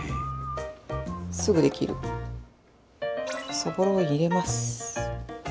そぼろを入れます。